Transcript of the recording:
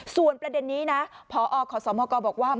ส่วนประเด็นนี้นะพอขอสมกบอกว่า